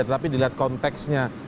tetapi dilihat konteksnya